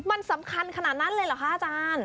มันสำคัญขนาดนั้นเลยเหรอคะอาจารย์